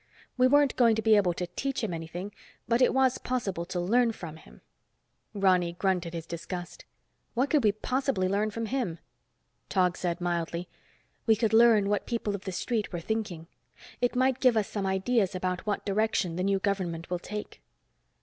We weren't going to be able to teach him anything, but it was possible to learn from him." Ronny grunted his disgust. "What could we possibly learn from him?" Tog said mildly, "We could learn what people of the street were thinking. It might give us some ideas about what direction the new government will take."